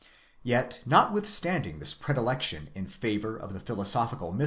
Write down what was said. ® Yet, notwithstanding this predilection in favour of the philosophical mythus 4.